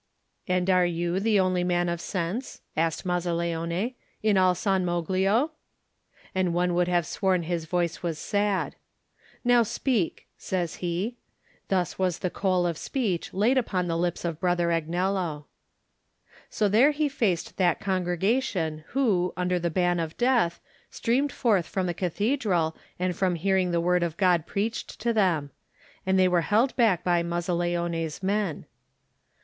"And are you the only man of sense," asked Mazzaleone, "in all San Moglio?" And one would have sworn his voice was sad. "Now speak," says he. Thus was the coal 60 Digitized by Google THE NINTH MAN of speech laid upon the lips of Brother Agnello. So there he faced that congregation who, under the ban of death, streamed forth from the cathedral and from hearing the word of God preached to them. And they were held back by Mazzaleone's men.